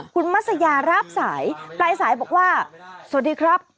คุณมัศยารับสายปลายสายบอกว่าสวัสดีครับ